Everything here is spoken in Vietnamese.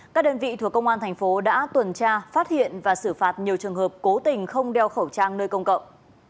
các đơn vị thuộc công an thành phố đã tuần tra phát hiện và xử phạt nhiều trường hợp cố tình không đeo khẩu trang nơi công cộng